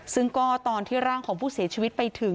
ซึ่งก็ตอนที่ร่างของผู้เสียชีวิตไปถึง